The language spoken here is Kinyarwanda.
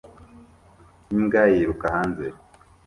Imbwa yiruka hanze